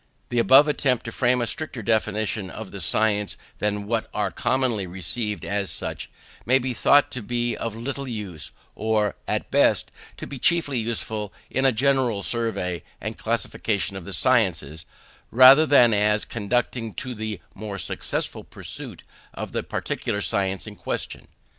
The above attempt to frame a stricter definition of the science than what are commonly received as such, may be thought to be of little use; or, at best, to be chiefly useful in a general survey and classification of the sciences, rather than as conducing to the more successful pursuit of the particular science in question.